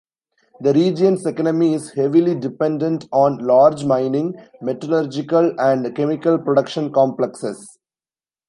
The region's economy is heavily dependent on large mining, metallurgical and chemical production complexes.